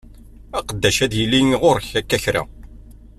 Aqeddac ad yili ɣur-k akka kra.